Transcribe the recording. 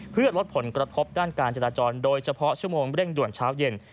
เพื่อลดผลกระทบด้านการจราจรโดยเฉพาะชั่วโมงเร่งด่วนเช้าเย็น